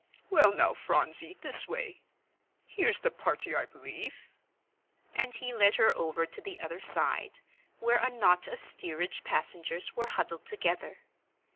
Well, now, Phronsie, this way. Here's the party, I believe," and he led her over to the other side, where a knot of steerage passengers were huddled together.